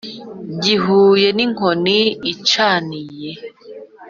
gihuye n'inkono icaniye